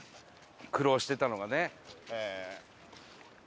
苦労してたのがね。